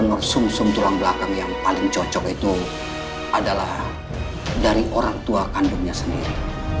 nomor sum sum tulang belakang yang paling cocok itu adalah dari orang tua kandungnya sendiri